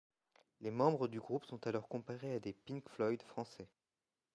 Les membres du groupe sont alors comparés à des Pink Floyd français.